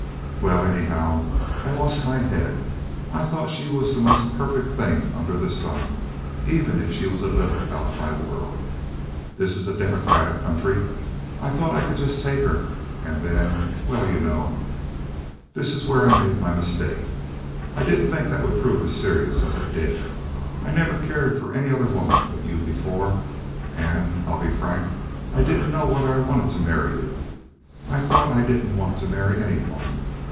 "Well, anyhow, I lost my head. I thought she was the most perfect thing under the sun, even if she was a little out of my world. This is a democratic country. I thought that I could just take her, and then—well, you know. That is where I made my mistake. I didn't think that would prove as serious as it did. I never cared for any other woman but you before and—I'll be frank—I didn't know whether I wanted to marry you. I thought I didn't want to marry any woman.